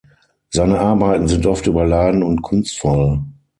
Seine Arbeiten sind oft überladen und kunstvoll.